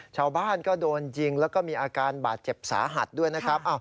ชาวบ้านก็โดนยิงแล้วก็มีอาการบาดเจ็บสาหัสด้วยนะครับ